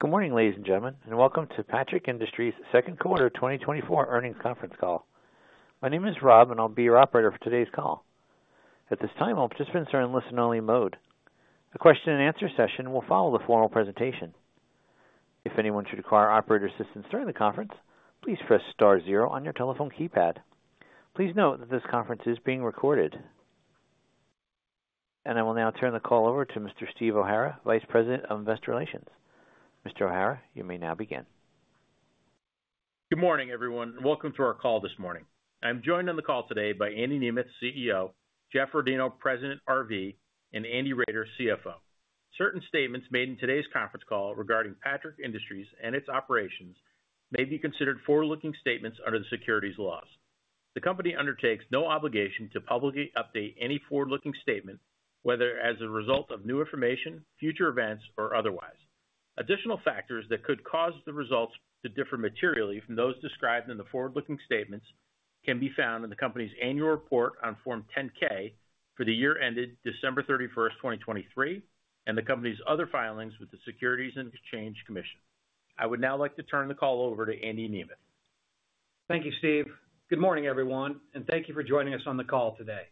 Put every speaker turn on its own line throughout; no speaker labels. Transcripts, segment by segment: Good morning, ladies and gentlemen, and welcome to Patrick Industries Second Quarter 2024 Earnings Conference Call. My name is Rob, and I'll be your operator for today's call. At this time, all participants are in listen-only mode. A question and answer session will follow the formal presentation. If anyone should require operator assistance during the conference, please press star zero on your telephone keypad. Please note that this conference is being recorded. And I will now turn the call over to Mr. Steve O'Hara, Vice President of Investor Relations. Mr. O'Hara, you may now begin.
Good morning, everyone, and welcome to our call this morning. I'm joined on the call today by Andy Nemeth, CEO, Jeff Rodino, President, RV, and Andy Roeder, CFO. Certain statements made in today's conference call regarding Patrick Industries and its operations may be considered forward-looking statements under the securities laws. The company undertakes no obligation to publicly update any forward-looking statement, whether as a result of new information, future events, or otherwise. Additional factors that could cause the results to differ materially from those described in the forward-looking statements can be found in the company's annual report on Form 10-K for the year ended December 31st, 2023, and the company's other filings with the Securities and Exchange Commission. I would now like to turn the call over to Andy Nemeth.
Thank you, Steve. Good morning, everyone, and thank you for joining us on the call today.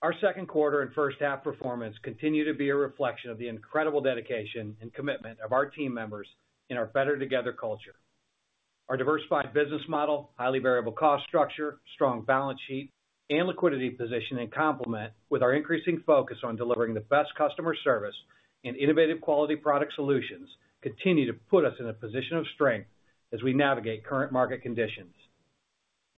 Our second quarter and first half performance continue to be a reflection of the incredible dedication and commitment of our team members in our Better Together culture. Our diversified business model, highly variable cost structure, strong balance sheet, and liquidity position in complement with our increasing focus on delivering the best customer service and innovative quality product solutions, continue to put us in a position of strength as we navigate current market conditions.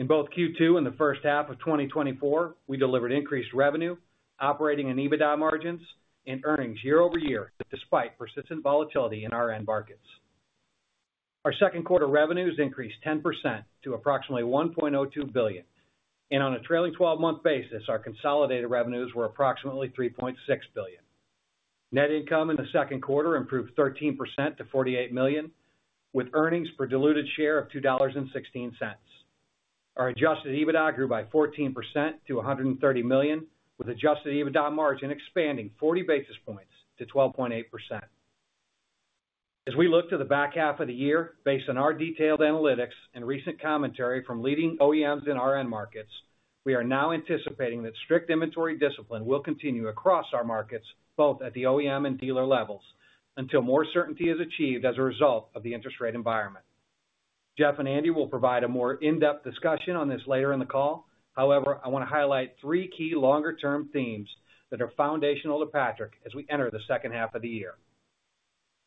In both Q2 and the first half of 2024, we delivered increased revenue, operating and EBITDA margins, and earnings year-over-year, despite persistent volatility in our end markets. Our second quarter revenues increased 10% to approximately $1.02 billion, and on a trailing 12-month basis, our consolidated revenues were approximately $3.6 billion. Net income in the second quarter improved 13% to $48 million, with earnings per diluted share of $2.16. Our adjusted EBITDA grew by 14% to $130 million, with adjusted EBITDA margin expanding 40 basis points to 12.8%. As we look to the back half of the year, based on our detailed analytics and recent commentary from leading OEMs in our end markets, we are now anticipating that strict inventory discipline will continue across our markets, both at the OEM and dealer levels, until more certainty is achieved as a result of the interest rate environment. Jeff and Andy will provide a more in-depth discussion on this later in the call. However, I want to highlight three key longer-term themes that are foundational to Patrick as we enter the second half of the year.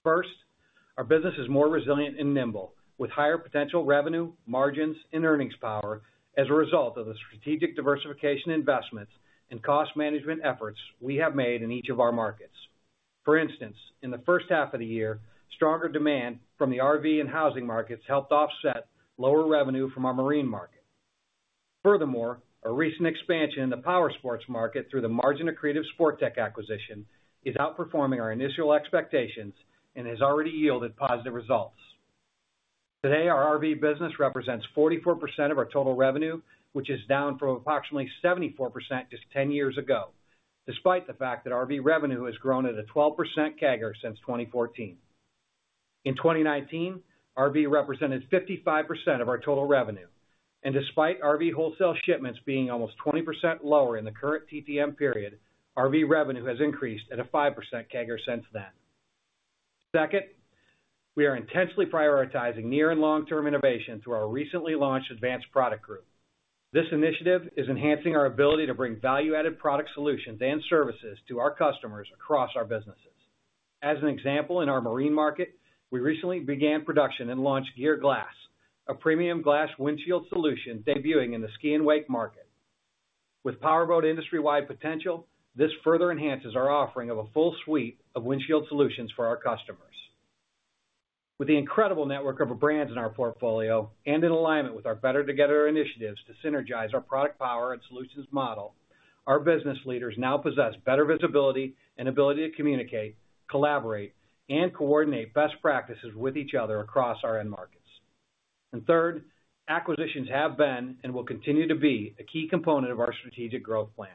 First, our business is more resilient and nimble, with higher potential revenue, margins, and earnings power as a result of the strategic diversification investments and cost management efforts we have made in each of our markets. For instance, in the first half of the year, stronger demand from the RV and housing markets helped offset lower revenue from our marine market. Furthermore, our recent expansion in the powersports market through the margin-accretive Sportech acquisition is outperforming our initial expectations and has already yielded positive results. Today, our RV business represents 44% of our total revenue, which is down from approximately 74% just 10 years ago, despite the fact that RV revenue has grown at a 12% CAGR since 2014. In 2019, RV represented 55% of our total revenue, and despite RV wholesale shipments being almost 20% lower in the current TTM period, RV revenue has increased at a 5% CAGR since then. Second, we are intensely prioritizing near and long-term innovation through our recently launched Advanced Product Group. This initiative is enhancing our ability to bring value-added product solutions and services to our customers across our businesses. As an example, in our marine market, we recently began production and launched Clear Glass, a premium glass windshield solution debuting in the ski and wake market. With powerboat industry-wide potential, this further enhances our offering of a full suite of windshield solutions for our customers. With the incredible network of brands in our portfolio and in alignment with our Better Together initiatives to synergize our product power and solutions model, our business leaders now possess better visibility and ability to communicate, collaborate, and coordinate best practices with each other across our end markets. And third, acquisitions have been and will continue to be a key component of our strategic growth plan.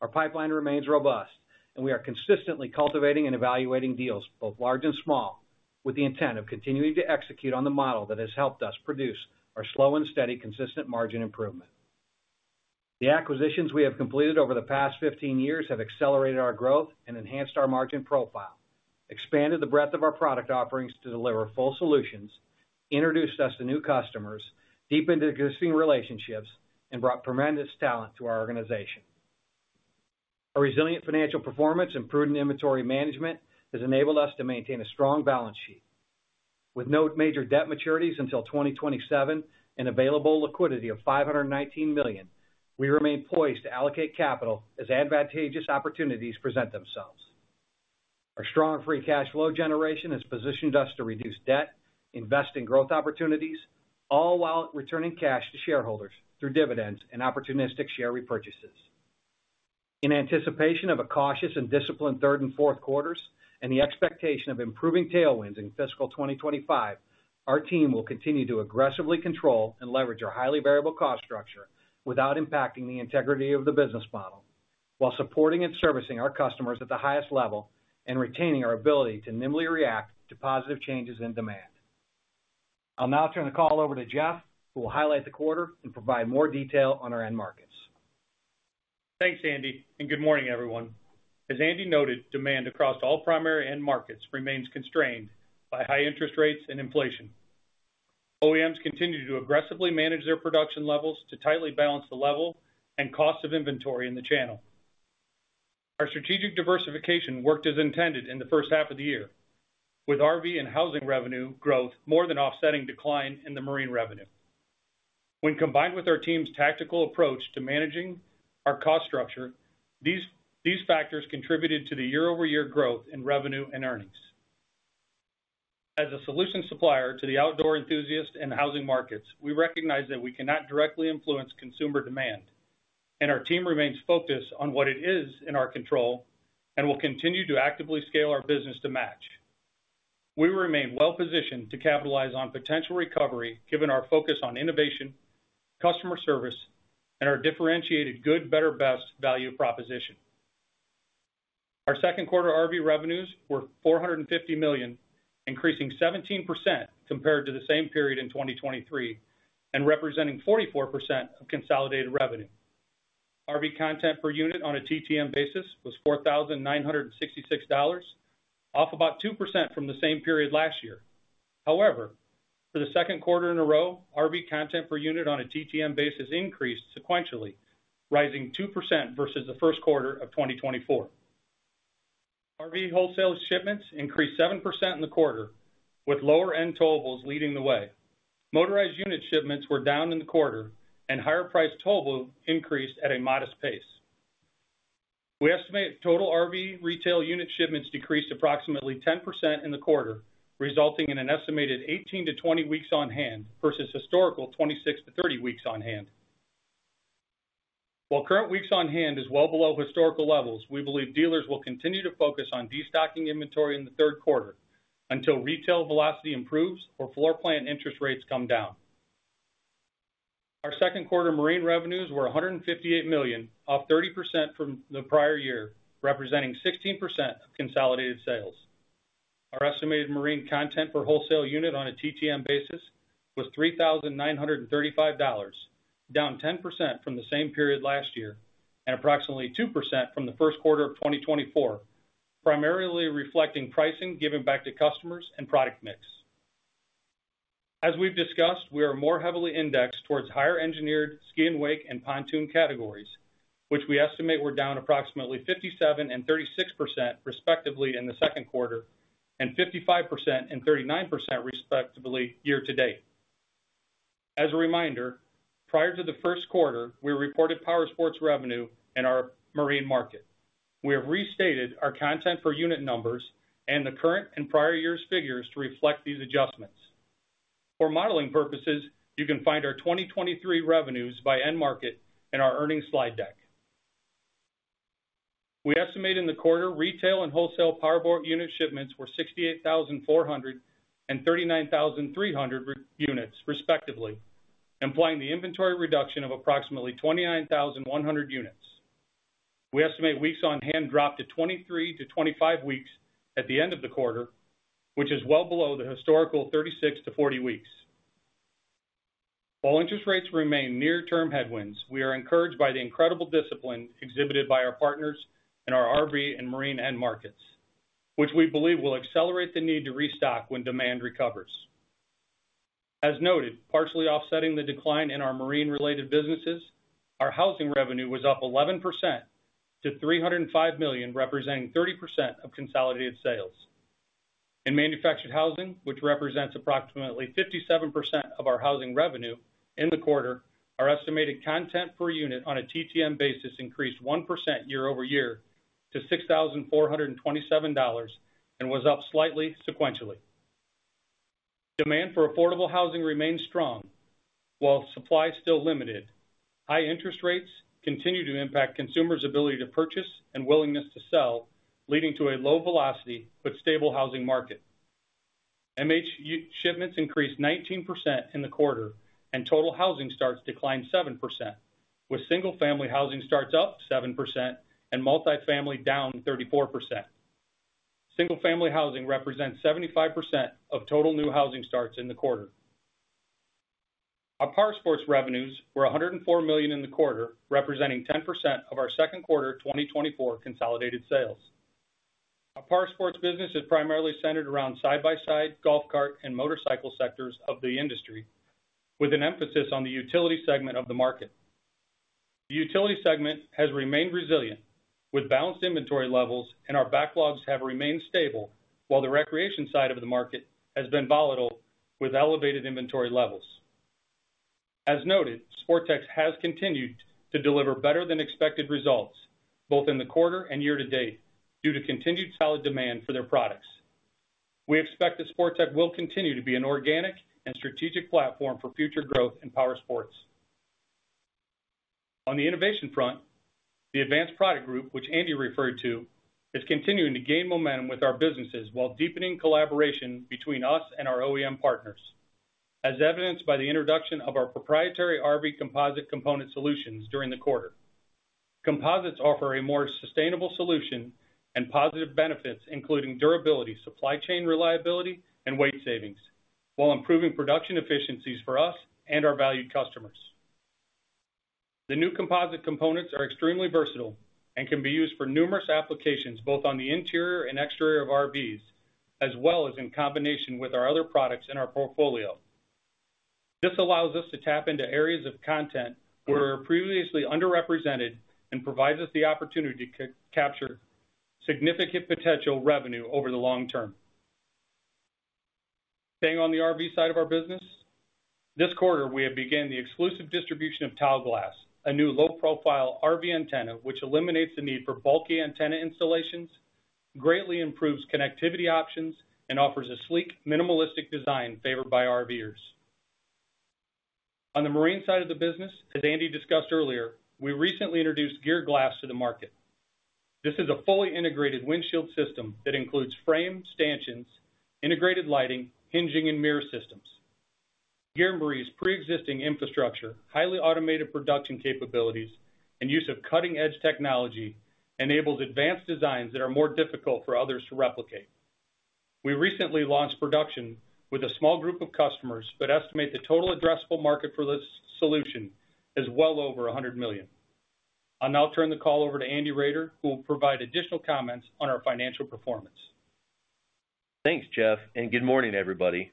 Our pipeline remains robust, and we are consistently cultivating and evaluating deals, both large and small, with the intent of continuing to execute on the model that has helped us produce our slow and steady, consistent margin improvement. The acquisitions we have completed over the past 15 years have accelerated our growth and enhanced our margin profile, expanded the breadth of our product offerings to deliver full solutions, introduced us to new customers, deepened existing relationships, and brought tremendous talent to our organization. Our resilient financial performance and prudent inventory management has enabled us to maintain a strong balance sheet. With no major debt maturities until 2027 and available liquidity of $519 million, we remain poised to allocate capital as advantageous opportunities present themselves. Our strong free cash flow generation has positioned us to reduce debt, invest in growth opportunities, all while returning cash to shareholders through dividends and opportunistic share repurchases. In anticipation of a cautious and disciplined third and fourth quarters and the expectation of improving tailwinds in fiscal 2025, our team will continue to aggressively control and leverage our highly variable cost structure without impacting the integrity of the business model.... while supporting and servicing our customers at the highest level and retaining our ability to nimbly react to positive changes in demand. I'll now turn the call over to Jeff, who will highlight the quarter and provide more detail on our end markets.
Thanks, Andy, and good morning, everyone. As Andy noted, demand across all primary end markets remains constrained by high interest rates and inflation. OEMs continue to aggressively manage their production levels to tightly balance the level and cost of inventory in the channel. Our strategic diversification worked as intended in the first half of the year, with RV and housing revenue growth more than offsetting decline in the marine revenue. When combined with our team's tactical approach to managing our cost structure, these factors contributed to the year-over-year growth in revenue and earnings. As a solution supplier to the outdoor enthusiast and housing markets, we recognize that we cannot directly influence consumer demand, and our team remains focused on what it is in our control and will continue to actively scale our business to match. We remain well-positioned to capitalize on potential recovery, given our focus on innovation, customer service, and our differentiated good, better, best value proposition. Our second quarter RV revenues were $450 million, increasing 17% compared to the same period in 2023, and representing 44% of consolidated revenue. RV content per unit on a TTM basis was $4,966, off about 2% from the same period last year. However, for the second quarter in a row, RV content per unit on a TTM basis increased sequentially, rising 2% versus the first quarter of 2024. RV wholesale shipments increased 7% in the quarter, with lower-end towables leading the way. Motorized unit shipments were down in the quarter, and higher priced towable increased at a modest pace. We estimate total RV retail unit shipments decreased approximately 10% in the quarter, resulting in an estimated 18-20 weeks on hand, versus historical 26-30 weeks on hand. While current weeks on hand is well below historical levels, we believe dealers will continue to focus on destocking inventory in the third quarter, until retail velocity improves or floor plan interest rates come down. Our second quarter marine revenues were $158 million, up 30% from the prior year, representing 16% of consolidated sales. Our estimated marine content per wholesale unit on a TTM basis was $3,935, down 10% from the same period last year, and approximately 2% from the first quarter of 2024, primarily reflecting pricing given back to customers and product mix. As we've discussed, we are more heavily indexed towards higher-engineered ski and wake and pontoon categories, which we estimate were down approximately 57% and 36%, respectively, in the second quarter, and 55% and 39%, respectively, year-to-date. As a reminder, prior to the first quarter, we reported Powersports revenue in our marine market. We have restated our content per unit numbers and the current and prior years figures to reflect these adjustments. For modeling purposes, you can find our 2023 revenues by end market in our earnings slide deck. We estimate in the quarter, retail and wholesale powerboat unit shipments were 68,400 and 39,300 units, respectively, implying the inventory reduction of approximately 29,100 units. We estimate weeks on hand dropped to 23-25 weeks at the end of the quarter, which is well below the historical 36-40 weeks. While interest rates remain near-term headwinds, we are encouraged by the incredible discipline exhibited by our partners in our RV and marine end markets, which we believe will accelerate the need to restock when demand recovers. As noted, partially offsetting the decline in our marine-related businesses, our housing revenue was up 11% to $305 million, representing 30% of consolidated sales. In manufactured housing, which represents approximately 57% of our housing revenue, in the quarter, our estimated content per unit on a TTM basis increased 1% year-over-year to $6,427 and was up slightly sequentially. Demand for affordable housing remains strong, while supply is still limited. High interest rates continue to impact consumers' ability to purchase and willingness to sell, leading to a low velocity but stable housing market. MHU shipments increased 19% in the quarter, and total housing starts declined 7%, with single-family housing starts up 7% and multifamily down 34%. Single-family housing represents 75% of total new housing starts in the quarter. Our Powersports revenues were $104 million in the quarter, representing 10% of our second quarter 2024 consolidated sales. Our Powersports business is primarily centered around side-by-side, golf cart, and motorcycle sectors of the industry, with an emphasis on the utility segment of the market. The utility segment has remained resilient, with balanced inventory levels and our backlogs have remained stable, while the recreation side of the market has been volatile with elevated inventory levels. As noted, Sportech has continued to deliver better than expected results, both in the quarter and year-to-date, due to continued solid demand for their products. We expect that Sportech will continue to be an organic and strategic platform for future growth in Powersports. On the innovation front, the Advanced Product Group, which Andy referred to, is continuing to gain momentum with our businesses while deepening collaboration between us and our OEM partners, as evidenced by the introduction of our proprietary RV composite component solutions during the quarter. Composites offer a more sustainable solution and positive benefits, including durability, supply chain reliability, and weight savings, while improving production efficiencies for us and our valued customers. The new composite components are extremely versatile and can be used for numerous applications, both on the interior and exterior of RVs, as well as in combination with our other products in our portfolio. This allows us to tap into areas of content where we're previously underrepresented, and provides us the opportunity to capture significant potential revenue over the long term. Staying on the RV side of our business, this quarter, we have begun the exclusive distribution of Taoglas, a new low-profile RV antenna, which eliminates the need for bulky antenna installations, greatly improves connectivity options, and offers a sleek, minimalistic design favored by RVs. On the marine side of the business, as Andy discussed earlier, we recently introduced Clear Glass to the market. This is a fully integrated windshield system that includes frame, stanchions, integrated lighting, hinging, and mirror systems. Geremarie's pre-existing infrastructure, highly automated production capabilities, and use of cutting-edge technology enables advanced designs that are more difficult for others to replicate. We recently launched production with a small group of customers, but estimate the total addressable market for this solution is well over $100 million. I'll now turn the call over to Andy Roeder, who will provide additional comments on our financial performance.
Thanks, Jeff, and good morning, everybody.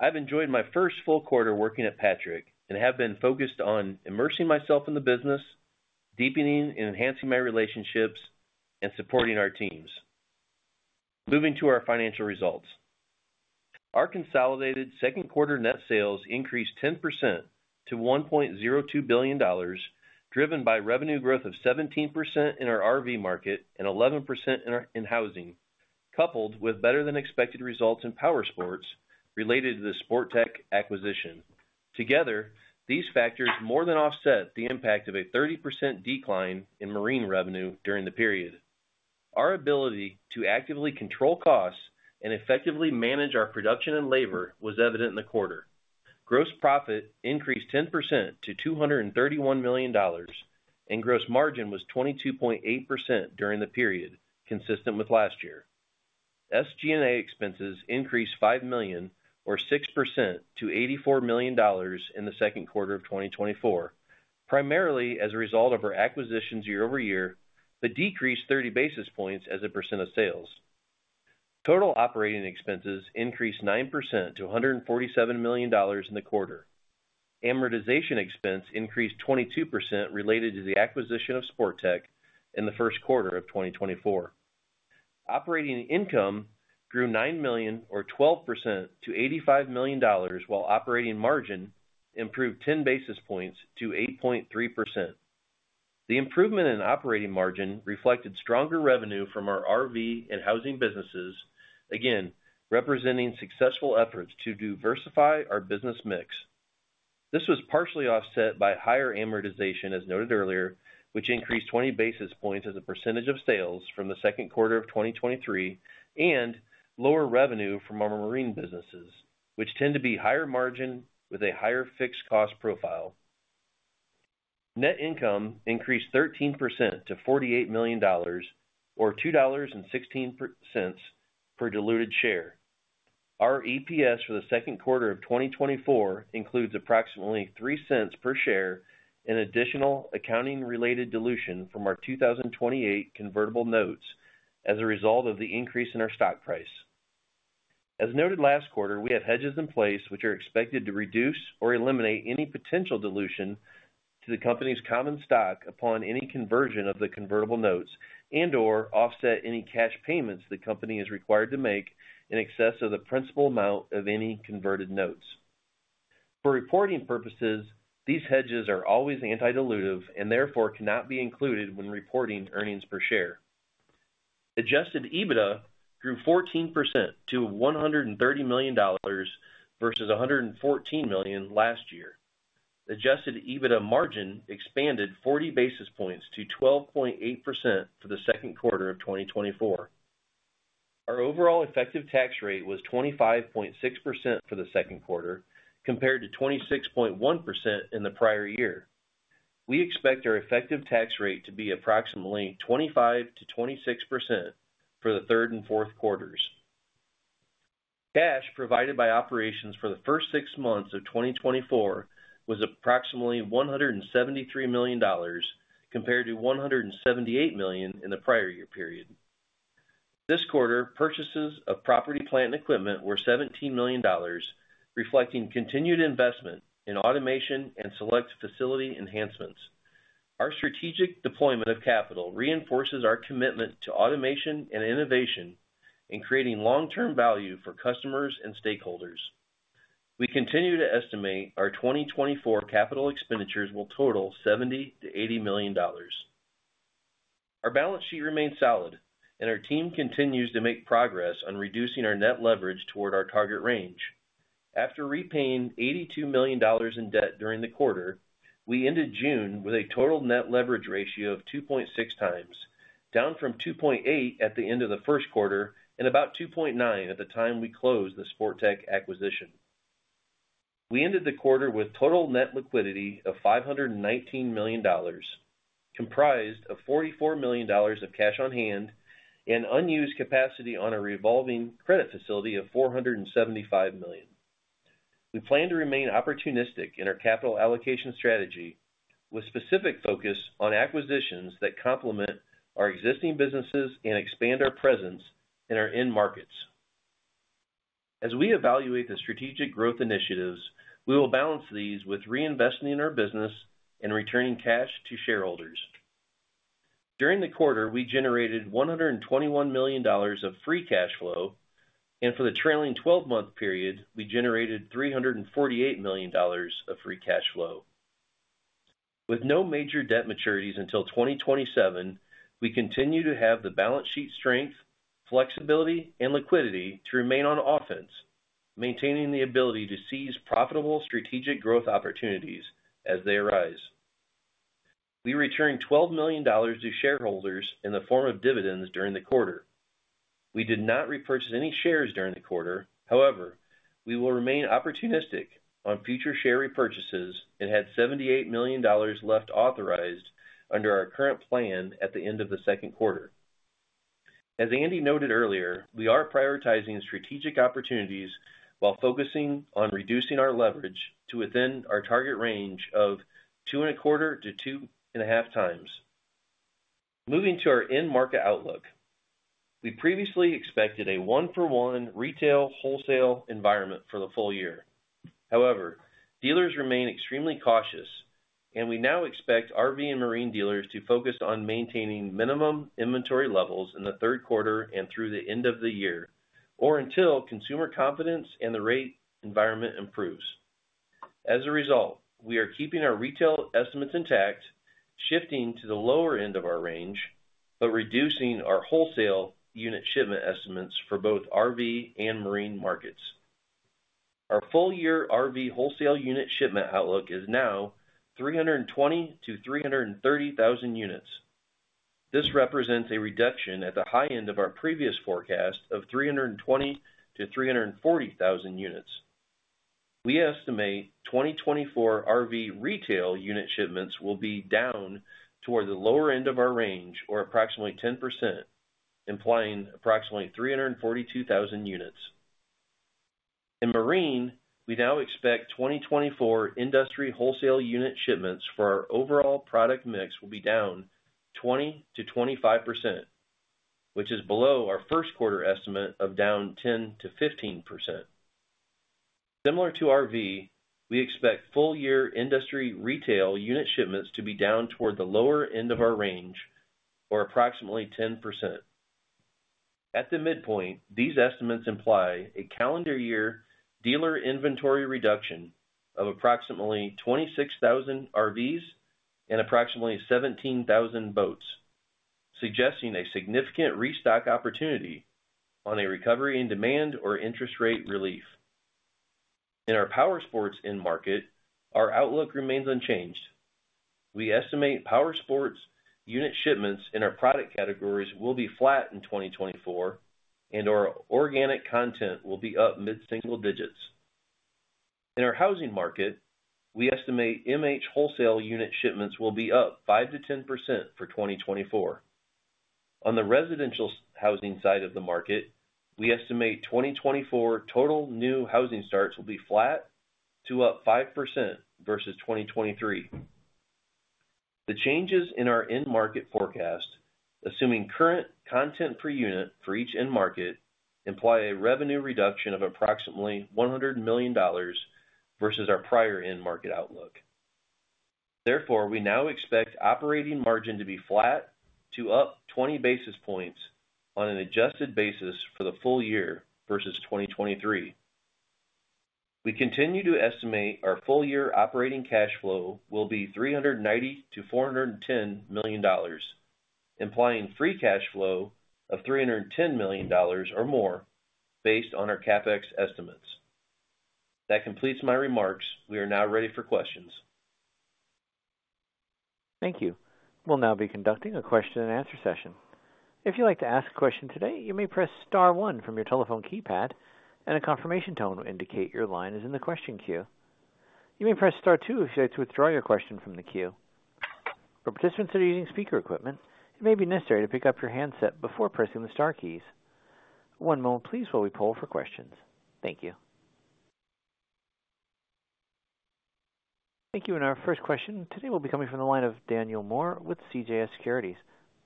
I've enjoyed my first full quarter working at Patrick, and have been focused on immersing myself in the business, deepening and enhancing my relationships, and supporting our teams. Moving to our financial results. Our consolidated second quarter net sales increased 10% to $1.02 billion, driven by revenue growth of 17% in our RV market and 11% in our-- in housing, coupled with better-than-expected results in powersports related to the Sportech acquisition. Together, these factors more than offset the impact of a 30% decline in marine revenue during the period. Our ability to actively control costs and effectively manage our production and labor was evident in the quarter. Gross profit increased 10% to $231 million, and gross margin was 22.8% during the period, consistent with last year. SG&A expenses increased $5 million, or 6% to $84 million in the second quarter of 2024, primarily as a result of our acquisitions year-over-year, but decreased 30 basis points as a % of sales. Total operating expenses increased 9% to $147 million in the quarter. Amortization expense increased 22% related to the acquisition of Sportech in the first quarter of 2024. Operating income grew $9 million or 12% to $85 million, while operating margin improved 10 basis points to 8.3%. The improvement in operating margin reflected stronger revenue from our RV and housing businesses, again, representing successful efforts to diversify our business mix. This was partially offset by higher amortization, as noted earlier, which increased 20 basis points as a percentage of sales from the second quarter of 2023, and lower revenue from our marine businesses, which tend to be higher margin with a higher fixed cost profile. Net income increased 13% to $48 million or $2.16 per diluted share. Our EPS for the second quarter of 2024 includes approximately $0.03 per share in additional accounting-related dilution from our 2028 convertible notes as a result of the increase in our stock price. As noted last quarter, we have hedges in place, which are expected to reduce or eliminate any potential dilution to the company's common stock upon any conversion of the convertible notes and/or offset any cash payments the company is required to make in excess of the principal amount of any converted notes. For reporting purposes, these hedges are always anti-dilutive and therefore cannot be included when reporting earnings per share. Adjusted EBITDA grew 14% to $130 million versus $114 million last year. Adjusted EBITDA margin expanded 40 basis points to 12.8% for the second quarter of 2024. Our overall effective tax rate was 25.6% for the second quarter, compared to 26.1% in the prior year. We expect our effective tax rate to be approximately 25%-26% for the third and fourth quarters. Cash provided by operations for the first six months of 2024 was approximately $173 million, compared to $178 million in the prior year period. This quarter, purchases of property, plant, and equipment were $17 million, reflecting continued investment in automation and select facility enhancements. Our strategic deployment of capital reinforces our commitment to automation and innovation in creating long-term value for customers and stakeholders. We continue to estimate our 2024 capital expenditures will total $70 million-$80 million. Our balance sheet remains solid, and our team continues to make progress on reducing our net leverage toward our target range. After repaying $82 million in debt during the quarter, we ended June with a total net leverage ratio of 2.6x, down from 2.8 at the end of the first quarter, and about 2.9 at the time we closed the Sportech acquisition. We ended the quarter with total net liquidity of $519 million, comprised of $44 million of cash on hand and unused capacity on a revolving credit facility of $475 million. We plan to remain opportunistic in our capital allocation strategy, with specific focus on acquisitions that complement our existing businesses and expand our presence in our end markets. As we evaluate the strategic growth initiatives, we will balance these with reinvesting in our business and returning cash to shareholders. During the quarter, we generated $121 million of free cash flow, and for the trailing twelve-month period, we generated $348 million of free cash flow. With no major debt maturities until 2027, we continue to have the balance sheet strength, flexibility, and liquidity to remain on offense, maintaining the ability to seize profitable strategic growth opportunities as they arise. We returned $12 million to shareholders in the form of dividends during the quarter. We did not repurchase any shares during the quarter. However, we will remain opportunistic on future share repurchases and had $78 million left authorized under our current plan at the end of the second quarter. As Andy noted earlier, we are prioritizing strategic opportunities while focusing on reducing our leverage to within our target range of 2.25-2.5x. Moving to our end market outlook. We previously expected a 1-for-1 retail wholesale environment for the full-year. However, dealers remain extremely cautious, and we now expect RV and marine dealers to focus on maintaining minimum inventory levels in the third quarter and through the end of the year, or until consumer confidence and the rate environment improves. As a result, we are keeping our retail estimates intact, shifting to the lower end of our range, but reducing our wholesale unit shipment estimates for both RV and marine markets. Our full-year RV wholesale unit shipment outlook is now 320,000-330,000 units. This represents a reduction at the high end of our previous forecast of 320,000-340,000 units. We estimate 2024 RV retail unit shipments will be down toward the lower end of our range, or approximately 10%, implying approximately 342,000 units. In marine, we now expect 2024 industry wholesale unit shipments for our overall product mix will be down 20%-25%, which is below our first quarter estimate of down 10%-15%. Similar to RV, we expect full-year industry retail unit shipments to be down toward the lower end of our range, or approximately 10%. At the midpoint, these estimates imply a calendar year dealer inventory reduction of approximately 26,000 RVs and approximately 17,000 boats, suggesting a significant restock opportunity on a recovery in demand or interest rate relief. In our powersports end market, our outlook remains unchanged. We estimate powersports unit shipments in our product categories will be flat in 2024, and our organic content will be up mid-single digits. In our housing market, we estimate MH wholesale unit shipments will be up 5%-10% for 2024. On the residential housing side of the market, we estimate 2024 total new housing starts will be flat to up 5% versus 2023. The changes in our end market forecast, assuming current content per unit for each end market, imply a revenue reduction of approximately $100 million versus our prior end market outlook. Therefore, we now expect operating margin to be flat to up 20 basis points on an adjusted basis for the full-year versus 2023. We continue to estimate our full-year operating cash flow will be $390 million-$410 million, implying free cash flow of $310 million or more, based on our CapEx estimates. That completes my remarks. We are now ready for questions.
Thank you. We'll now be conducting a question-and-answer session. If you'd like to ask a question today, you may press star one from your telephone keypad, and a confirmation tone will indicate your line is in the question queue. You may press star two if you'd like to withdraw your question from the queue. For participants that are using speaker equipment, it may be necessary to pick up your handset before pressing the star keys. One moment please while we poll for questions. Thank you. Thank you. Our first question today will be coming from the line of Daniel Moore with CJS Securities.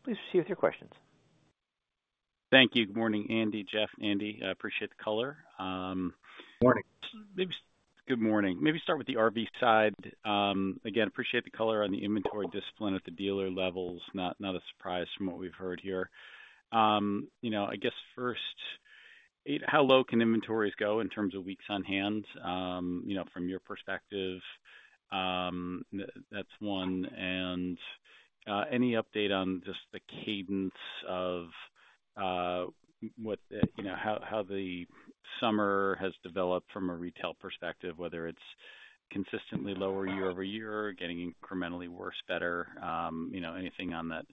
Please proceed with your questions.
Thank you. Good morning, Andy, Jeff, Andy. I appreciate the color.
Morning.
Good morning. Maybe start with the RV side. Again, appreciate the color on the inventory discipline at the dealer levels. Not, not a surprise from what we've heard here. You know, I guess first, how low can inventories go in terms of weeks on hand, you know, from your perspective? That's one. And any update on just the cadence of what you know, how the summer has developed from a retail perspective, whether it's consistently lower year-over-year, getting incrementally worse, better, you know, anything on that,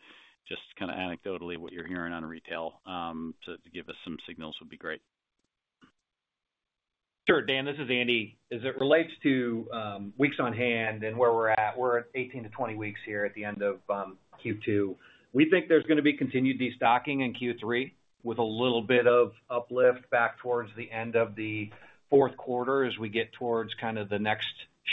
just kind of anecdotally, what you're hearing on retail, to give us some signals would be great.
Sure, Dan, this is Andy. As it relates to weeks on hand and where we're at, we're at 18-20 weeks here at the end of Q2. We think there's going to be continued destocking in Q3, with a little bit of uplift back towards the end of the fourth quarter as we get towards kind of the next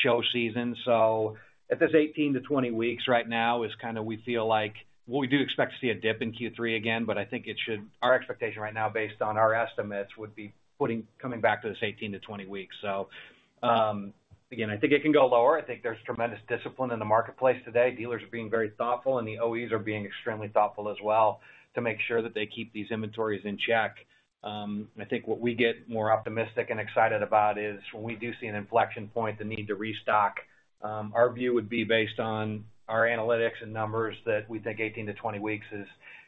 show season. So if it's 18-20 weeks right now, is kind of we feel like, well, we do expect to see a dip in Q3 again, but I think it should, our expectation right now, based on our estimates, would be putting, coming back to this 18-20 weeks. So, again, I think it can go lower. I think there's tremendous discipline in the marketplace today. Dealers are being very thoughtful, and the OEMs are being extremely thoughtful as well, to make sure that they keep these inventories in check. I think what we get more optimistic and excited about is when we do see an inflection point, the need to restock. Our view would be based on our analytics and numbers, that we think 18-20 weeks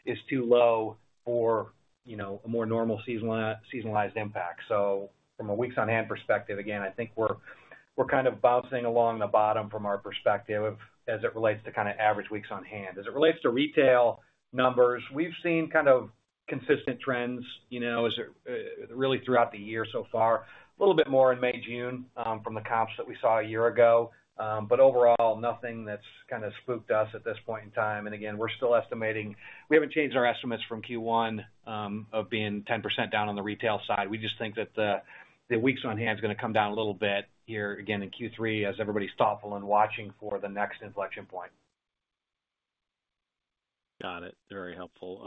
is too low for, you know, a more normal seasonalized impact. So from a weeks on hand perspective, again, I think we're kind of bouncing along the bottom from our perspective, of, as it relates to kind of average weeks on hand. As it relates to retail numbers, we've seen kind of consistent trends, you know, as really throughout the year so far. A little bit more in May, June, from the comps that we saw a year ago. But overall, nothing that's kind of spooked us at this point in time. And again, we're still estimating... We haven't changed our estimates from Q1 of being 10% down on the retail side. We just think that the weeks on hand is going to come down a little bit here, again, in Q3, as everybody's thoughtful and watching for the next inflection point.
Got it. Very helpful.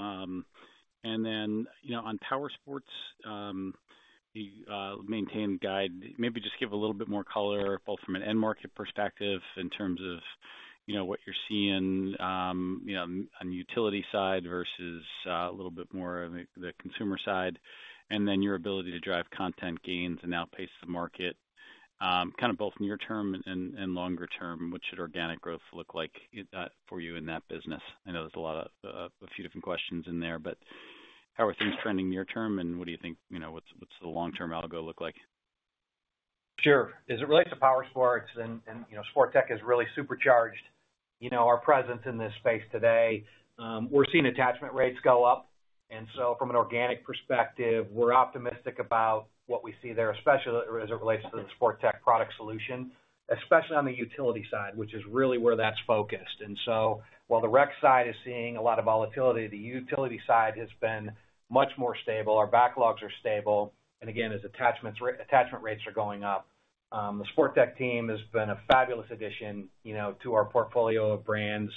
And then, you know, on Powersports, you maintain guide. Maybe just give a little bit more color, both from an end market perspective in terms of, you know, what you're seeing, you know, on the utility side versus a little bit more on the consumer side, and then your ability to drive content gains and outpace the market, kind of both near term and longer term. What should organic growth look like for you in that business? I know there's a lot of a few different questions in there, but how are things trending near term, and what do you think, you know, what's the long-term algo look like?
Sure. As it relates to Powersports and, you know, Sportech has really supercharged, you know, our presence in this space today. We're seeing attachment rates go up, and so from an organic perspective, we're optimistic about what we see there, especially as it relates to the Sportech product solution, especially on the utility side, which is really where that's focused. And so while the rec side is seeing a lot of volatility, the utility side has been much more stable. Our backlogs are stable, and again, attachment rates are going up. The Sportech team has been a fabulous addition, you know, to our portfolio of brands,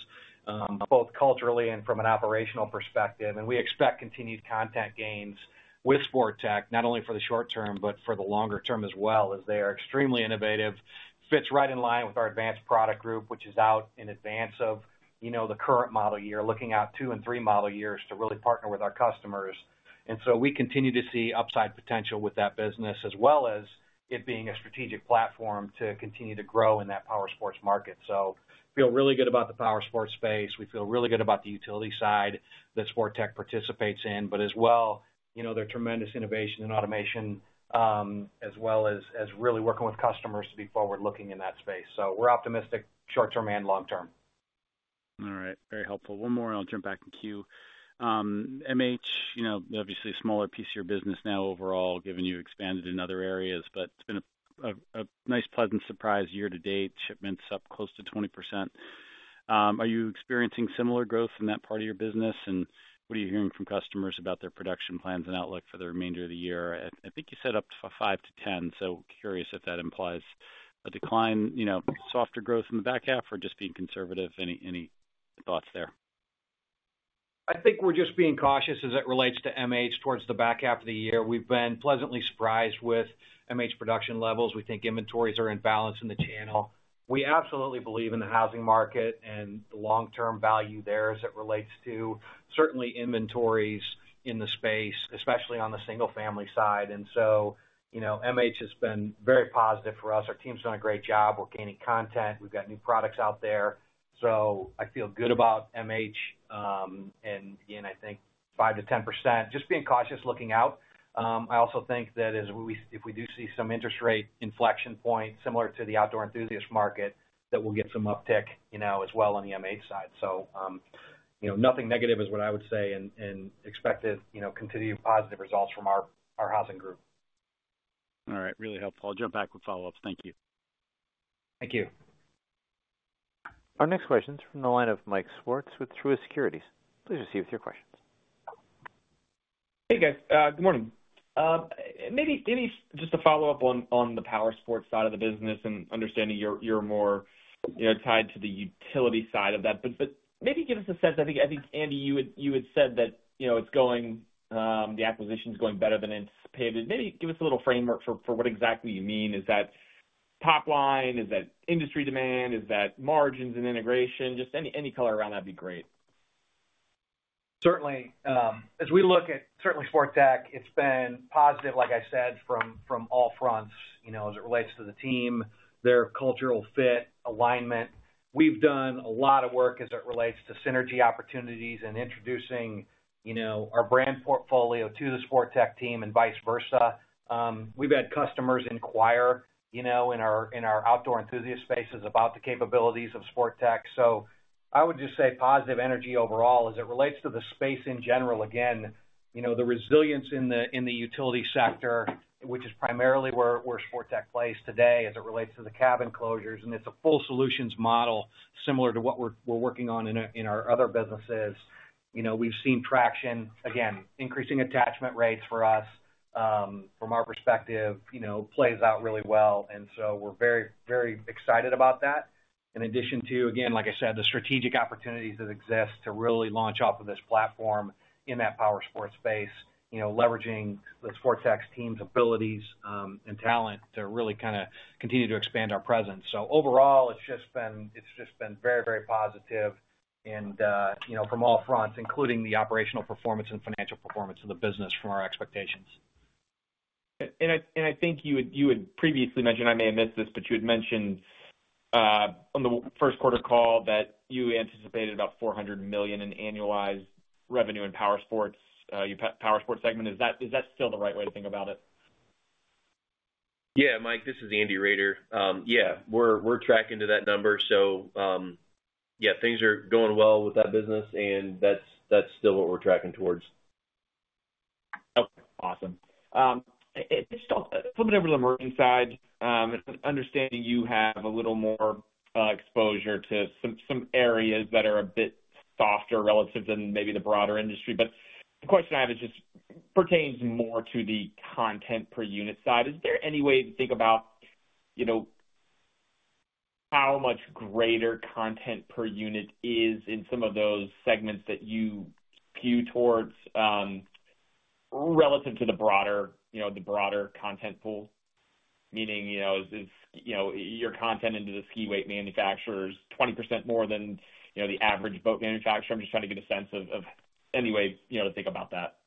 both culturally and from an operational perspective. And we expect continued content gains with Sportech, not only for the short term, but for the longer term as well, as they are extremely innovative. Fits right in line with our Advanced Product Group, which is out in advance of, you know, the current model year, looking out two and three model years to really partner with our customers. And so we continue to see upside potential with that business, as well as it being a strategic platform to continue to grow in that Powersports market. So feel really good about the Powersports space. We feel really good about the utility side that Sportech participates in, but as well, you know, their tremendous innovation and automation, as well as really working with customers to be forward-looking in that space. So we're optimistic, short term and long term.
All right. Very helpful. One more, and I'll turn back to queue. MH, you know, obviously a smaller piece of your business now overall, given you expanded in other areas, but it's been a nice pleasant surprise year to date, shipments up close to 20%. Are you experiencing similar growth in that part of your business? And what are you hearing from customers about their production plans and outlook for the remainder of the year? I think you said up to 5-10, so curious if that implies a decline, you know, softer growth in the back half, or just being conservative. Any thoughts there?
I think we're just being cautious as it relates to MH towards the back half of the year. We've been pleasantly surprised with MH production levels. We think inventories are in balance in the channel. We absolutely believe in the housing market and the long-term value there as it relates to certainly inventories in the space, especially on the single-family side. And so, you know, MH has been very positive for us. Our team's done a great job. We're gaining content. We've got new products out there. So I feel good about MH. And again, I think 5%-10%, just being cautious looking out. I also think that as we if we do see some interest rate inflection point, similar to the outdoor enthusiast market, that we'll get some uptick, you know, as well on the MH side. So, you know, nothing negative is what I would say and expected, you know, continued positive results from our housing group.
All right. Really helpful. I'll jump back with follow-ups. Thank you.
Thank you.
Our next question is from the line of Mike Swartz with Truist Securities. Please proceed with your questions.
Hey, guys, good morning. Maybe just to follow up on the Powersports side of the business and understanding you're more, you know, tied to the utility side of that. But maybe give us a sense... I think, Andy, you had said that, you know, it's going, the acquisition is going better than anticipated. Maybe give us a little framework for what exactly you mean. Is that top line? Is that industry demand? Is that margins and integration? Just any color around that'd be great.
...Certainly, as we look at certainly Sportech, it's been positive, like I said, from all fronts, you know, as it relates to the team, their cultural fit, alignment. We've done a lot of work as it relates to synergy opportunities and introducing, you know, our brand portfolio to the Sportech team and vice versa. We've had customers inquire, you know, in our outdoor enthusiast spaces about the capabilities of Sportech. So I would just say positive energy overall as it relates to the space in general. Again, you know, the resilience in the utility sector, which is primarily where Sportech plays today as it relates to the cab enclosures, and it's a full solutions model, similar to what we're working on in our other businesses. You know, we've seen traction, again, increasing attachment rates for us, from our perspective, you know, plays out really well, and so we're very, very excited about that. In addition to, again, like I said, the strategic opportunities that exist to really launch off of this platform in that powersports space, you know, leveraging the Sportech's team's abilities, and talent to really kind of continue to expand our presence. So overall, it's just been, it's just been very, very positive and, you know, from all fronts, including the operational performance and financial performance of the business from our expectations.
I think you had previously mentioned—I may have missed this—but you had mentioned on the first quarter call that you anticipated about $400 million in annualized revenue in powersports, your powersports segment. Is that still the right way to think about it?
Yeah, Mike, this is Andy Roeder. Yeah, we're, we're tracking to that number. So, yeah, things are going well with that business, and that's, that's still what we're tracking towards.
Okay, awesome. Just flipping over to the emerging side, understanding you have a little more exposure to some, some areas that are a bit softer relative than maybe the broader industry. But the question I have is just pertains more to the content per unit side. Is there any way to think about, you know, how much greater content per unit is in some of those segments that you skew towards, relative to the broader, you know, the broader content pool? Meaning, you know, is, is, you know, your content into the side-by-side manufacturers 20% more than, you know, the average boat manufacturer? I'm just trying to get a sense of, of any way, you know, to think about that.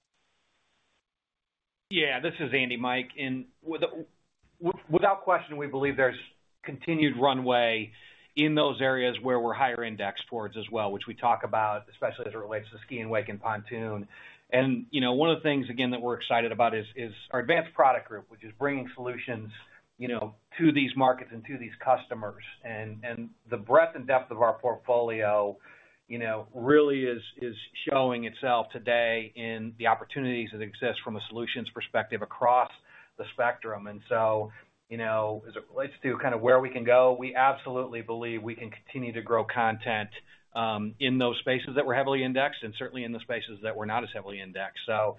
Yeah, this is Andy, Mike, and without question, we believe there's continued runway in those areas where we're higher indexed towards as well, which we talk about, especially as it relates to ski and wake and pontoon. And, you know, one of the things, again, that we're excited about is our Advanced Product Group, which is bringing solutions, you know, to these markets and to these customers. And the breadth and depth of our portfolio, you know, really is showing itself today in the opportunities that exist from a solutions perspective across the spectrum. And so, you know, as it relates to kind of where we can go, we absolutely believe we can continue to grow content in those spaces that we're heavily indexed, and certainly in the spaces that we're not as heavily indexed. So,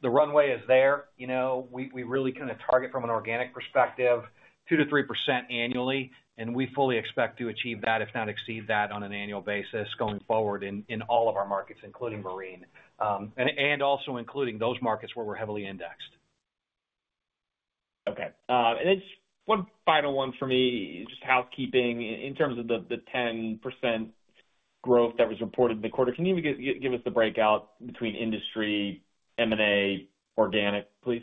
the runway is there. You know, we really kind of target from an organic perspective, 2%-3% annually, and we fully expect to achieve that, if not exceed that, on an annual basis going forward in all of our markets, including marine. And also including those markets where we're heavily indexed.
Okay. And then just one final one for me, just housekeeping. In terms of the 10% growth that was reported in the quarter, can you give us the breakout between industry, M&A, organic, please?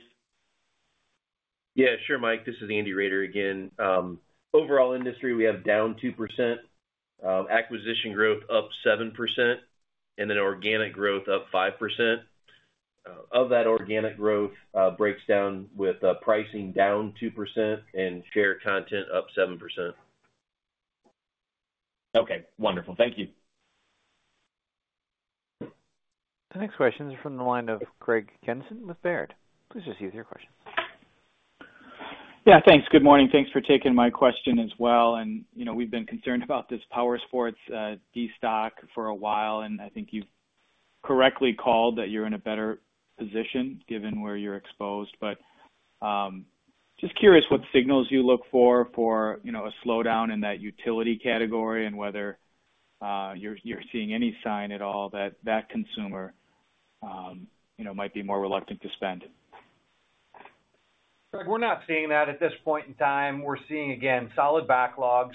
Yeah, sure, Mike. This is Andy Roeder again. Overall industry, we have down 2%, acquisition growth up 7%, and then organic growth up 5%. Of that organic growth, breaks down with, pricing down 2% and share content up 7%.
Okay, wonderful. Thank you.
The next question is from the line of Craig Kennison with Baird. Please just use your question.
Yeah, thanks. Good morning. Thanks for taking my question as well. And, you know, we've been concerned about this Powersports destock for a while, and I think you've correctly called that you're in a better position given where you're exposed. But, just curious what signals you look for for, you know, a slowdown in that utility category and whether you're seeing any sign at all that the consumer, you know, might be more reluctant to spend?
Craig, we're not seeing that at this point in time. We're seeing, again, solid backlogs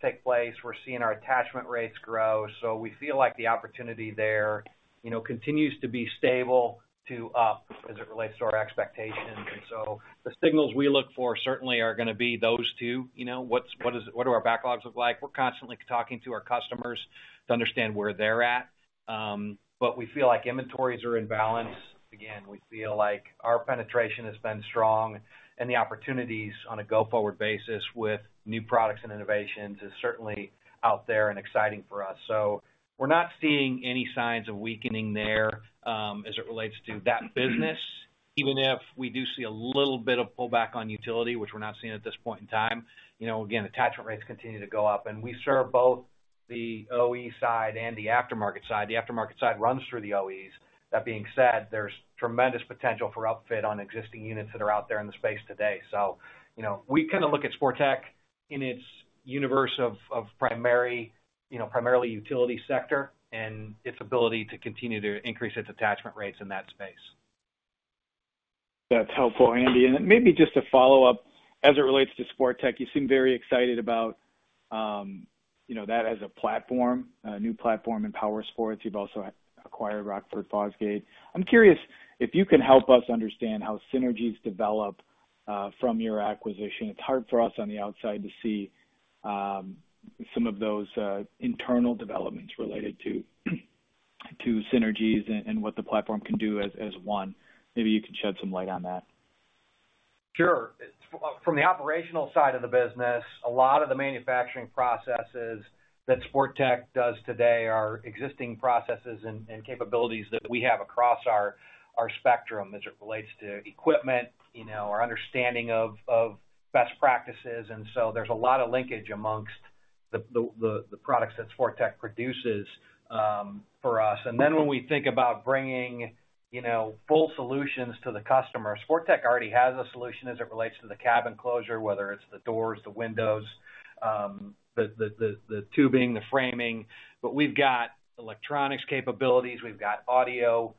take place. We're seeing our attachment rates grow, so we feel like the opportunity there, you know, continues to be stable to up as it relates to our expectations. And so the signals we look for certainly are going to be those two. You know, what do our backlogs look like? We're constantly talking to our customers to understand where they're at. But we feel like inventories are in balance. Again, we feel like our penetration has been strong, and the opportunities on a go-forward basis with new products and innovations is certainly out there and exciting for us. So we're not seeing any signs of weakening there, as it relates to that business, even if we do see a little bit of pullback on utility, which we're not seeing at this point in time. You know, again, attachment rates continue to go up, and we serve both the OE side and the aftermarket side. The aftermarket side runs through the OEs. That being said, there's tremendous potential for upfit on existing units that are out there in the space today. So you know, we kind of look at Sportech in its universe of primary, you know, primarily utility sector and its ability to continue to increase its attachment rates in that space....
That's helpful, Andy. Then maybe just a follow-up, as it relates to Sportech, you seem very excited about, you know, that as a platform, a new platform in powersports. You've also acquired Rockford Fosgate. I'm curious if you can help us understand how synergies develop from your acquisition. It's hard for us on the outside to see some of those internal developments related to synergies and what the platform can do as one. Maybe you can shed some light on that.
Sure. From the operational side of the business, a lot of the manufacturing processes that Sportech does today are existing processes and capabilities that we have across our spectrum as it relates to equipment, you know, our understanding of best practices. So there's a lot of linkage amongst the products that Sportech produces for us. And then when we think about bringing, you know, full solutions to the customer, Sportech already has a solution as it relates to the cab enclosure, whether it's the doors, the windows, the tubing, the framing. But we've got electronics capabilities, we've got audio,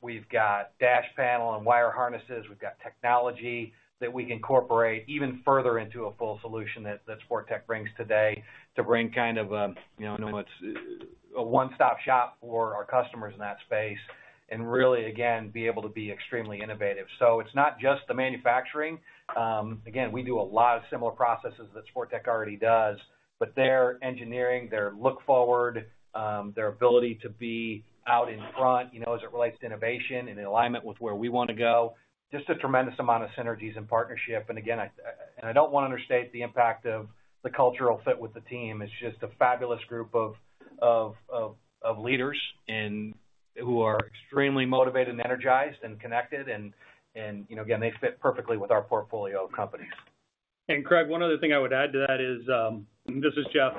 we've got dash panel and wire harnesses. We've got technology that we can incorporate even further into a full solution that Sportech brings today to bring kind of a, you know, almost a one-stop shop for our customers in that space, and really, again, be able to be extremely innovative. So it's not just the manufacturing. Again, we do a lot of similar processes that Sportech already does, but their engineering, their look-forward, their ability to be out in front, you know, as it relates to innovation and in alignment with where we want to go, just a tremendous amount of synergies and partnership. And again, I don't want to understate the impact of the cultural fit with the team. It's just a fabulous group of leaders who are extremely motivated and energized and connected and, you know, again, they fit perfectly with our portfolio of companies.
And Craig, one other thing I would add to that is, this is Jeff.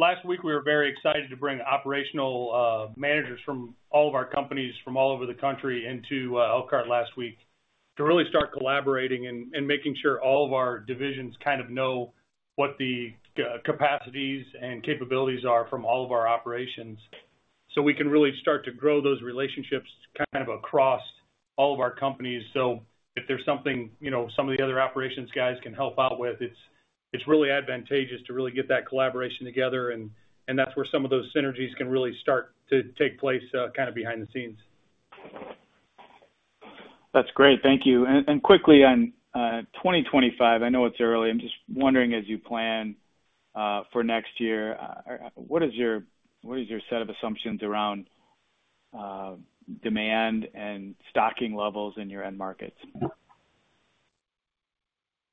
Last week, we were very excited to bring operational managers from all of our companies from all over the country into Elkhart last week, to really start collaborating and making sure all of our divisions kind of know what the capacities and capabilities are from all of our operations, so we can really start to grow those relationships kind of across all of our companies. So if there's something, you know, some of the other operations guys can help out with, it's really advantageous to really get that collaboration together, and that's where some of those synergies can really start to take place kind of behind the scenes.
That's great. Thank you. And quickly on 2025, I know it's early. I'm just wondering, as you plan for next year, what is your set of assumptions around demand and stocking levels in your end markets?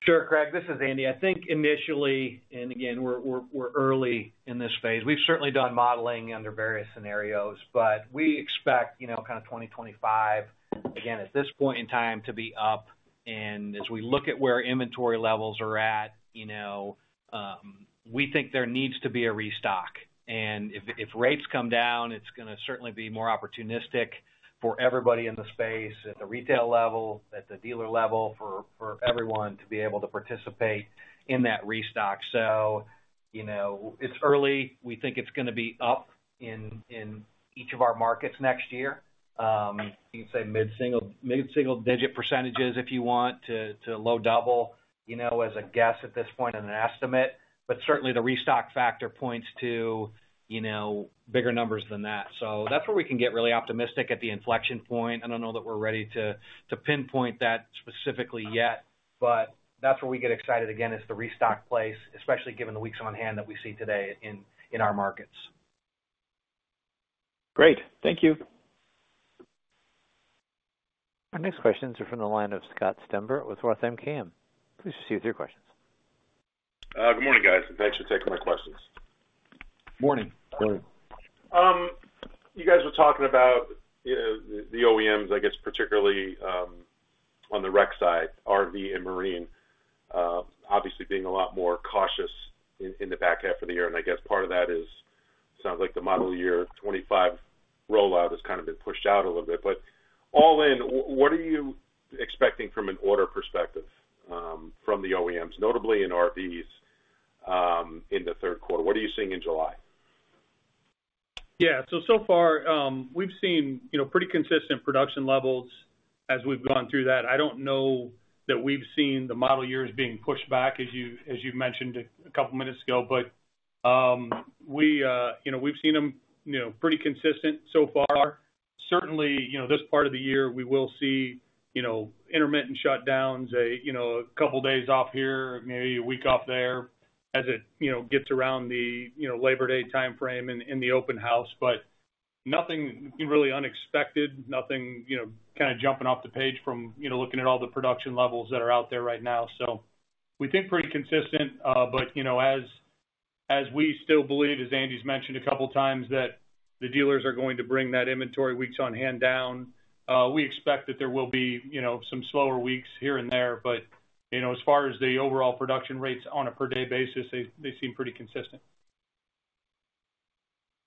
Sure, Craig, this is Andy. I think initially, and again, we're early in this phase. We've certainly done modeling under various scenarios, but we expect, you know, kind of 2025, again, at this point in time, to be up. And as we look at where inventory levels are at, you know, we think there needs to be a restock. And if rates come down, it's going to certainly be more opportunistic for everybody in the space, at the retail level, at the dealer level, for everyone to be able to participate in that restock. So, you know, it's early. We think it's going to be up in each of our markets next year. You can say mid-single, mid-single digit percentages, if you want, to low double, you know, as a guess at this point in an estimate, but certainly, the restock factor points to, you know, bigger numbers than that. So that's where we can get really optimistic at the inflection point. I don't know that we're ready to pinpoint that specifically yet, but that's where we get excited again, is the restock place, especially given the weeks on hand that we see today in our markets.
Great. Thank you.
Our next questions are from the line of Scott Stember with ROTH MKM. Please proceed with your questions.
Good morning, guys. Thanks for taking my questions.
Morning.
Morning.
You guys were talking about, the OEMs, I guess, particularly, on the rec side, RV and marine, obviously being a lot more cautious in the back half of the year. And I guess part of that is, sounds like the model year 25 rollout has kind of been pushed out a little bit. But all in, what are you expecting from an order perspective, from the OEMs, notably in RVs, in the third quarter? What are you seeing in July?
Yeah. So, so far, we've seen, you know, pretty consistent production levels as we've gone through that. I don't know that we've seen the model years being pushed back as you, as you mentioned a couple of minutes ago. But, we, you know, we've seen them, you know, pretty consistent so far. Certainly, you know, this part of the year, we will see, you know, intermittent shutdowns, you know, a couple of days off here, maybe a week off there as it, you know, gets around the, you know, Labor Day timeframe in the open house, but nothing really unexpected, nothing, you know, kind of jumping off the page from, you know, looking at all the production levels that are out there right now. So we think pretty consistent, but, you know, as we still believe, as Andy's mentioned a couple of times, that the dealers are going to bring that inventory weeks on hand down. We expect that there will be, you know, some slower weeks here and there, but, you know, as far as the overall production rates on a per-day basis, they seem pretty consistent.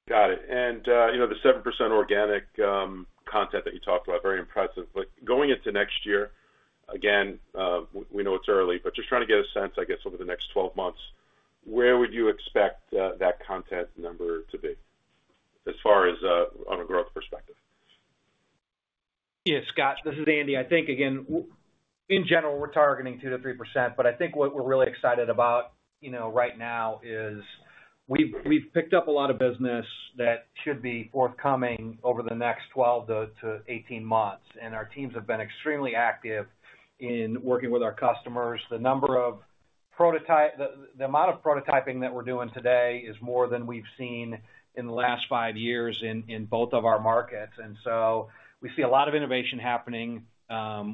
Got it. And, you know, the 7% organic content that you talked about, very impressive. But going into next year, again, we know it's early, but just trying to get a sense, I guess, over the next 12 months, where would you expect that content number to be?... as far as, on a growth perspective?
Yeah, Scott, this is Andy. I think, again, in general, we're targeting 2%-3%, but I think what we're really excited about, you know, right now is we've picked up a lot of business that should be forthcoming over the next 12-18 months, and our teams have been extremely active in working with our customers. The amount of prototyping that we're doing today is more than we've seen in the last five years in both of our markets, and so we see a lot of innovation happening.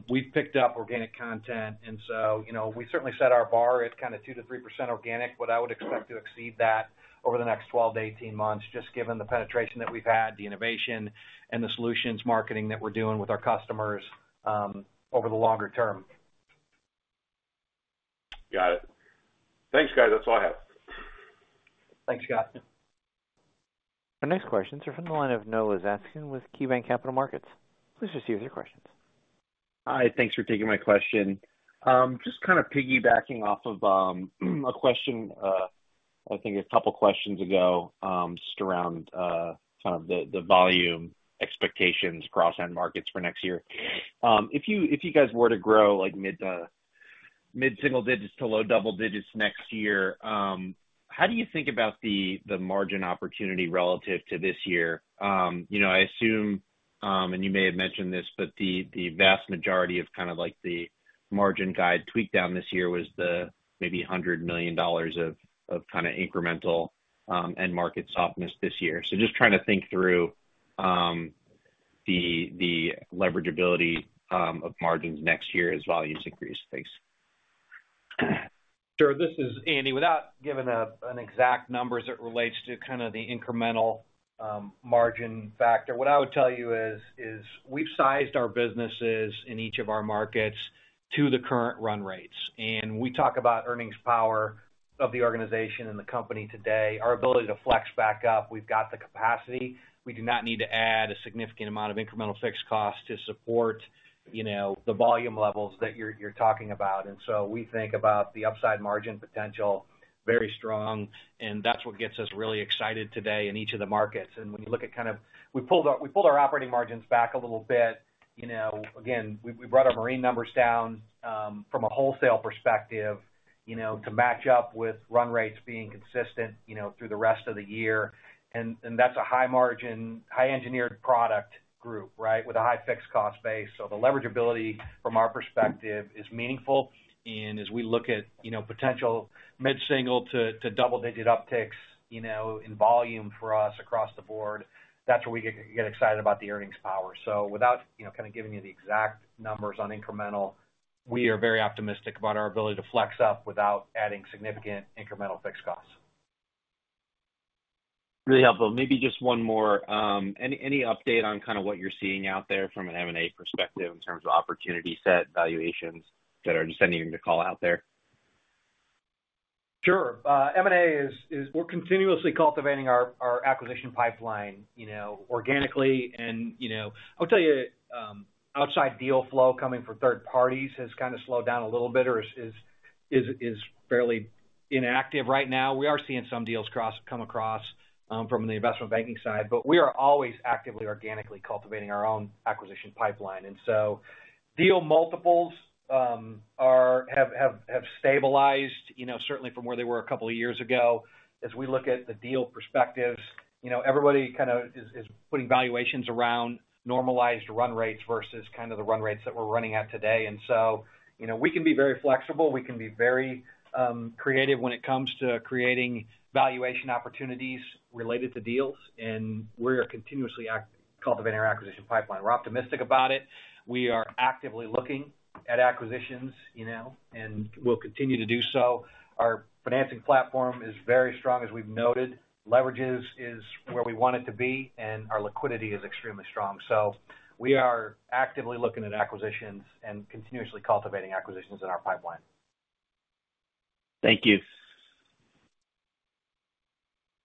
We've picked up organic content, and so, you know, we certainly set our bar at kind of 2%-3% organic. But I would expect to exceed that over the next 12-18 months, just given the penetration that we've had, the innovation, and the solutions marketing that we're doing with our customers, over the longer term.
Got it. Thanks, guys. That's all I have.
Thanks, Scott.
Our next questions are from the line of Noah Zatzkin with KeyBanc Capital Markets. Please proceed with your questions.
Hi, thanks for taking my question. Just kind of piggybacking off of a question I think a couple questions ago, just around kind of the volume expectations across end markets for next year. If you guys were to grow, like, mid- to mid-single digits to low double digits next year, how do you think about the margin opportunity relative to this year? You know, I assume, and you may have mentioned this, but the vast majority of kind of like the margin guide tweaked down this year was the maybe $100 million of kind of incremental end market softness this year. So just trying to think through the leverageability of margins next year as volumes increase. Thanks.
Sure. This is Andy. Without giving an exact number as it relates to kind of the incremental margin factor, what I would tell you is we've sized our businesses in each of our markets to the current run rates, and we talk about earnings power of the organization and the company today. Our ability to flex back up, we've got the capacity. We do not need to add a significant amount of incremental fixed costs to support, you know, the volume levels that you're talking about. And so we think about the upside margin potential, very strong, and that's what gets us really excited today in each of the markets. And when you look at kind of... we pulled our operating margins back a little bit. You know, again, we brought our marine numbers down from a wholesale perspective, you know, to match up with run rates being consistent, you know, through the rest of the year. And that's a high margin, high engineered product group, right? With a high fixed cost base. So the leverageability from our perspective is meaningful. And as we look at, you know, potential mid-single to double-digit upticks, you know, in volume for us across the board, that's where we get excited about the earnings power. So without, you know, kind of giving you the exact numbers on incremental, we are very optimistic about our ability to flex up without adding significant incremental fixed costs.
Really helpful. Maybe just one more. Any update on kind of what you're seeing out there from an M&A perspective in terms of opportunity set, valuations that are just sending the call out there?
Sure. M&A is we're continuously cultivating our acquisition pipeline, you know, organically. And, you know, I'll tell you, outside deal flow coming from third parties has kind of slowed down a little bit or is fairly inactive right now. We are seeing some deals come across from the investment banking side, but we are always actively, organically cultivating our own acquisition pipeline. And so deal multiples are have stabilized, you know, certainly from where they were a couple of years ago. As we look at the deal perspectives, you know, everybody kind of is putting valuations around normalized run rates versus kind of the run rates that we're running at today. And so, you know, we can be very flexible. We can be very creative when it comes to creating valuation opportunities related to deals, and we're continuously cultivating our acquisition pipeline. We're optimistic about it. We are actively looking at acquisitions, you know, and we'll continue to do so. Our financing platform is very strong, as we've noted. Leverage is where we want it to be, and our liquidity is extremely strong. So we are actively looking at acquisitions and continuously cultivating acquisitions in our pipeline.
Thank you.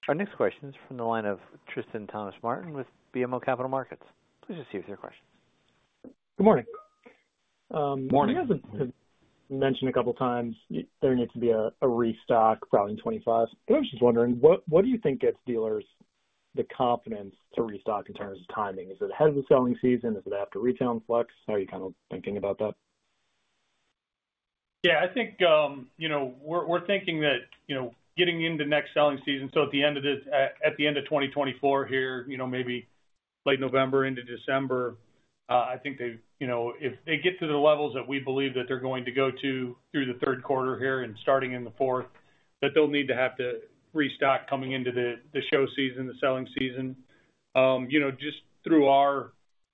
Our next question is from the line of Tristan Thomas-Martin with BMO Capital Markets. Please proceed with your questions.
Good morning.
Morning.
You guys have mentioned a couple times there needs to be a restock probably in 2025. I was just wondering, what do you think gives dealers the confidence to restock in terms of timing? Is it ahead of the selling season? Is it after retail influx? How are you kind of thinking about that?
Yeah, I think, you know, we're thinking that, you know, getting into next selling season, so at the end of 2024 here, you know, maybe late November into December, I think they've, you know, if they get to the levels that we believe that they're going to go to through the third quarter here and starting in the fourth, that they'll need to have to restock coming into the show season, the selling season. You know, just through our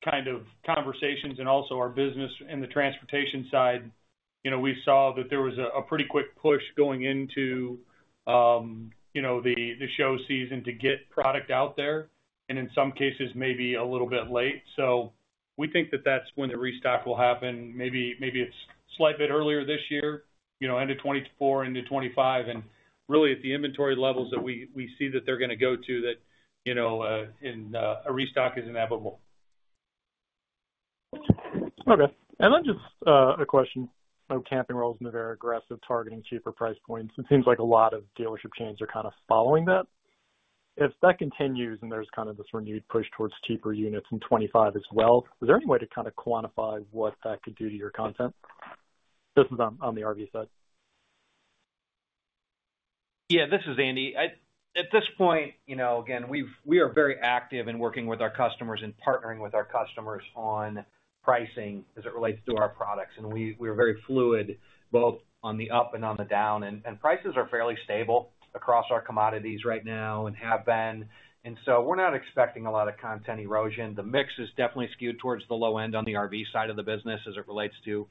kind of conversations and also our business in the transportation side, you know, we saw that there was a pretty quick push going into the show season to get product out there, and in some cases, maybe a little bit late. So we think that that's when the restock will happen. Maybe, maybe it's a slight bit earlier this year, you know, end of 2024 into 2025. And really, at the inventory levels that we see that they're gonna go to that, you know, and a restock is inevitable....
Okay, and then just a question on Camping World and the very aggressive targeting cheaper price points. It seems like a lot of dealership chains are kind of following that. If that continues, and there's kind of this renewed push towards cheaper units in 25 as well, is there any way to kind of quantify what that could do to your content? This is on the RV side.
Yeah, this is Andy. At this point, you know, again, we are very active in working with our customers and partnering with our customers on pricing as it relates to our products, and we, we're very fluid, both on the up and on the down. And prices are fairly stable across our commodities right now and have been, and so we're not expecting a lot of content erosion. The mix is definitely skewed towards the low end on the RV side of the business as it relates to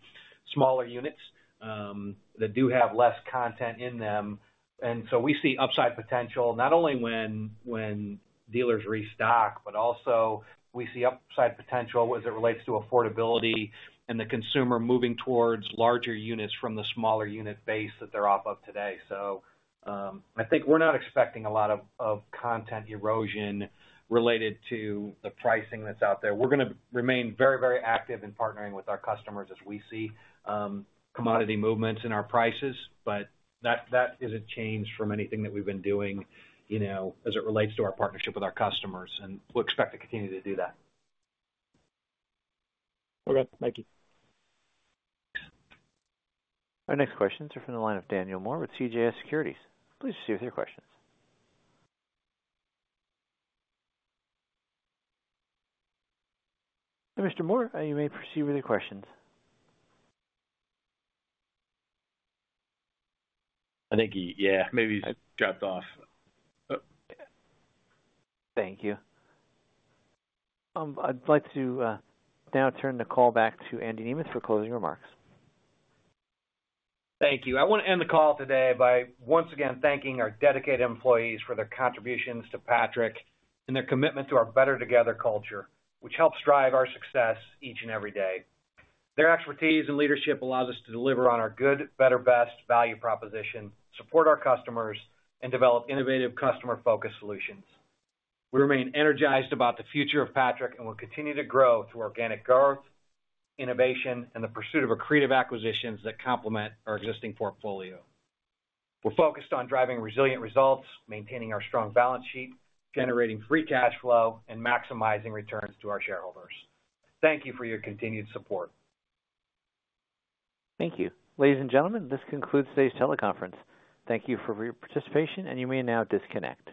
smaller units that do have less content in them. And so we see upside potential, not only when dealers restock, but also we see upside potential as it relates to affordability and the consumer moving towards larger units from the smaller unit base that they're off of today. So, I think we're not expecting a lot of content erosion related to the pricing that's out there. We're gonna remain very, very active in partnering with our customers as we see commodity movements in our prices, but that isn't changed from anything that we've been doing, you know, as it relates to our partnership with our customers, and we'll expect to continue to do that.
Okay. Thank you.
Our next questions are from the line of Daniel Moore with CJS Securities. Please proceed with your questions. Mr. Moore, you may proceed with your questions.
I think he... Yeah, maybe he's dropped off. Oh.
Thank you. I'd like to now turn the call back to Andy Nemeth for closing remarks.
Thank you. I want to end the call today by once again thanking our dedicated employees for their contributions to Patrick and their commitment to our Better Together culture, which helps drive our success each and every day. Their expertise and leadership allows us to deliver on our good, better, best value proposition, support our customers, and develop innovative customer-focused solutions. We remain energized about the future of Patrick and will continue to grow through organic growth, innovation, and the pursuit of accretive acquisitions that complement our existing portfolio. We're focused on driving resilient results, maintaining our strong balance sheet, generating free cash flow, and maximizing returns to our shareholders. Thank you for your continued support.
Thank you. Ladies and gentlemen, this concludes today's teleconference. Thank you for your participation, and you may now disconnect.